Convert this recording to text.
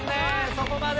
そこまで。